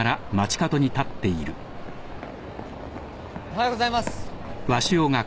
おはようございます。